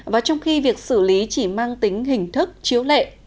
và trong khi việc xử lý chỉ mang tính hình thức chiếu lệ